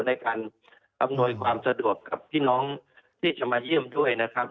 ในการอำนวยความสะดวกกับพี่น้องที่จะมาเยี่ยมด้วยนะครับ